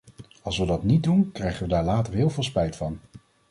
Als we dat niet doen, krijgen we daar later heel veel spijt van.